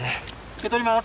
受け取ります。